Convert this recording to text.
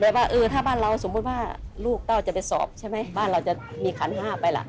แต่ว่าเออถ้าบ้านเราสมมุติว่าลูกเต้าจะไปสอบใช่ไหมบ้านเราจะมีขันห้าไปล่ะ